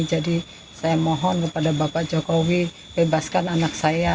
jadi saya mohon kepada bapak jokowi bebaskan anak saya